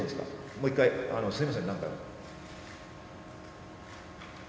もう一回、すみません、なんか。